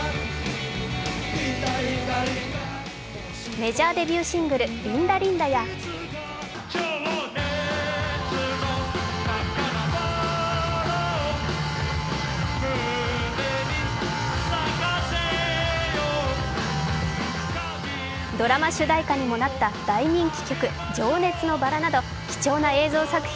メジャーデビューシングル「リンダリンダ」やドラマ主題歌にもなった大人気曲「情熱の薔薇」など貴重な映像作品